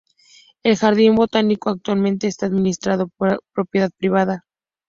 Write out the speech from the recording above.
El jardín botánico actualmente está administrado por propiedad privada.